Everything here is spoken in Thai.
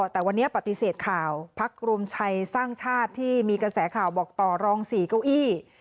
แต่วันนี้ปฏิเสธข่าวพักรวมไทยสร้างชาติที่มีกระแสข่าวบอกต่อรอง๔เก้าอี้